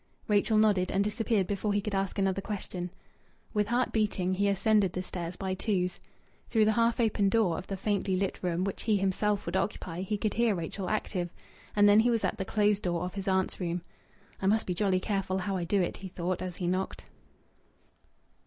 Rachel nodded and disappeared before he could ask another question. With heart beating he ascended the stairs by twos. Through the half open door of the faintly lit room which he himself would occupy he could hear Rachel active. And then he was at the closed door of his aunt's room. "I must be jolly careful how I do it!" he thought as he knocked.